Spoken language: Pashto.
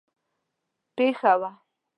پېښه وه.